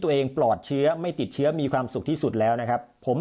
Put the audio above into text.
ปลอดเชื้อไม่ติดเชื้อมีความสุขที่สุดแล้วนะครับผม